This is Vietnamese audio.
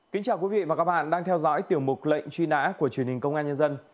kính chào quý vị và các bạn đang theo dõi tiểu mục lệnh truy nã của truyền hình công an nhân dân